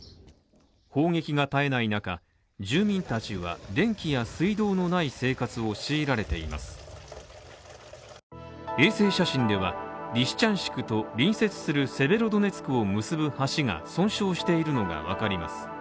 砲撃が絶えない中、住民たちは、電気や水道のない生活を強いられています衛星写真では、リシチャンシクと隣接するセベロドネツクを結ぶ橋が損傷しているのがわかります。